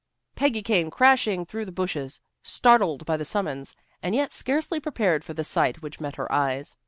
Peggy came crashing through the bushes, startled by the summons, and yet scarcely prepared for the sight which met her eyes.